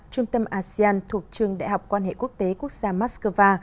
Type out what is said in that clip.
trung tâm asean thuộc trường đại học quan hệ quốc tế quốc gia moscow